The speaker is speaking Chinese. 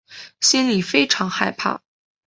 心里非常害怕